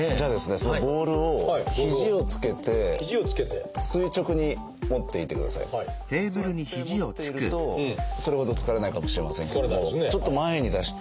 そうやって持っているとそれほど疲れないかもしれませんけどもちょっと前に出して。